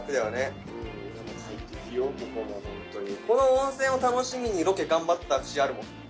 この温泉を楽しみにロケ頑張った節あるもん。